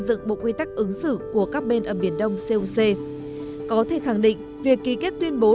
dựng bộ quy tắc ứng xử của các bên ở biển đông coc có thể khẳng định việc ký kết tuyên bố